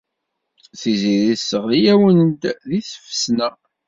Tiziri tesseɣli-awen deg tfesna.